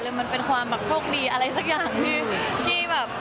มันเป็นความแบบโชคดีอะไรสักอย่างที่แบบ